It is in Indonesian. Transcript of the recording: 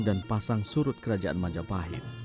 dan pasang surut kerajaan majapahit